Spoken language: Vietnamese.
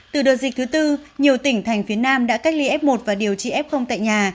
từ đợt dịch thứ tư nhiều tỉnh thành phía nam đã cách ly f một và điều trị f tại nhà